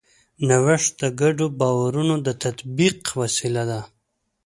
نوښت د ګډو باورونو د تطبیق وسیله ده.